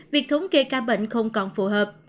việc thống kê ca bệnh không còn phù hợp